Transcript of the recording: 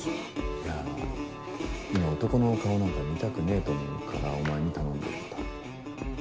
いや今男の顔なんか見たくねえと思うからお前に頼んでるんだ。